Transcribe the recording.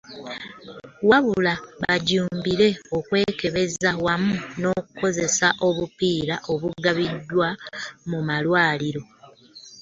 Wabula bajjumbire okwekebeza wamu n'okukozesa obupiira obugabiddwa mu malwaliro.